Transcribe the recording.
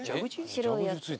白いやつ。